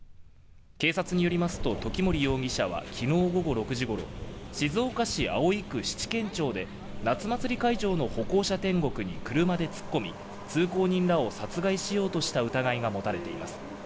警察によりますと、時森容疑者は昨日午後６時ごろ、静岡市葵区七間町で夏祭りの会場の歩行者天国に車で突っ込み、通行人らを殺害しようとした疑いが持たれています。